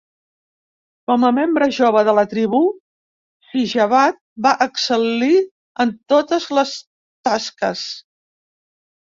Com a membre jove de la tribu, Sijabat va excel·lir en totes les tasques.